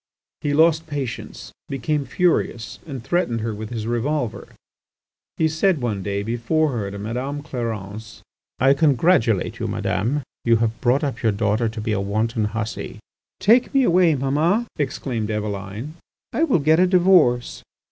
He lost patience, became furious, and threatened her with his revolver. He said one day before her to Madame Clarence: "I congratulate you, Madame; you have brought up your daughter to be a wanton hussy." "Take me away, Mamma," exclaimed Eveline. "I will get a divorce!"